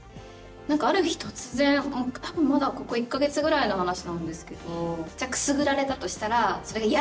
ある日突然多分まだここ１か月ぐらいの話なんですけどくすぐられたとしたらそれが嫌だった。